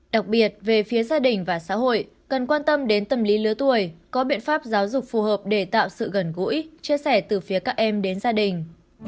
đặc biệt về phía gia đình và xã hội cần quan tâm đến tầm lý lứa tuổi có biện pháp giáo dục phù hợp để tạo sự gần gũi chia sẻ từ phía các em đến gia đình